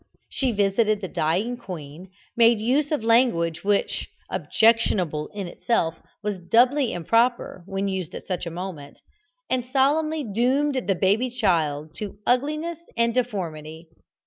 She visited the dying queen, made use of language which, always objectionable in itself, was doubly improper, when used at such a moment, and solemnly doomed the baby child to ugliness and deformity.